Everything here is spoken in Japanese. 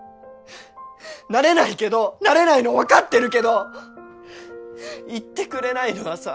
なれないけどなれないの分かってるけど言ってくれないのはさ。